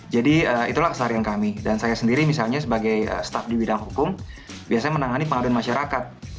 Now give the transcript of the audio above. jadi itulah kesaharian kami dan saya sendiri misalnya sebagai staf di bidang hukum biasanya menangani pengaduan masyarakat